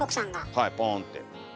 はいポンって。